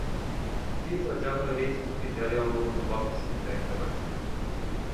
ФИФА жаңы рейтингди жарыялоонун убактысын дайындабайт.